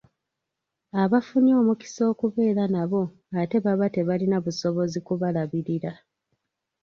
Abafunye omukisa okubeera nabo ate baba tebalina busobozi kubalabirira.